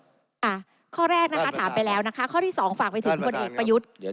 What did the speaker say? ข้อแรกนะคะถามไปแล้วนะคะข้อที่สองฝากไปถึงพลเอกประยุทธ์